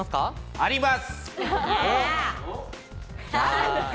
あります！